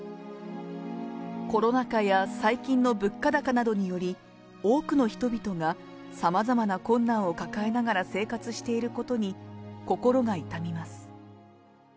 コロナ禍や最近の物価高などにより、多くの人々がさまざまな困難を抱えながら生活していることに、心が痛みます。